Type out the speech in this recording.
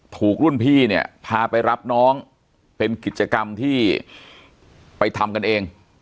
ถูกรุ่นพี่เนี่ยพาไปรับน้องเป็นกิจกรรมที่ไปทำกันเอง